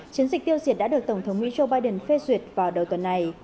chiến dịch tiêu diệt đã được tổng thống mỹ joe biden phê duyệt vào đầu tuần này